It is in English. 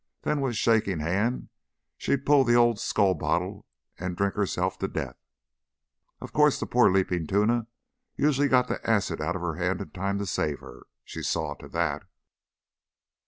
Then with shaking hand she'd pull the old skull bottle and drink herself to death. Of course, the poor leaping tuna usually got the acid out of her hand in time to save her. She saw to that."